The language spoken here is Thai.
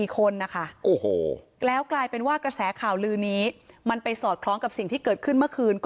๔คนนะคะแล้วกลายเป็นว่ากระแสข่าวลือนี้มันไปสอดคล้องกับสิ่งที่เกิดขึ้นเมื่อคืนก็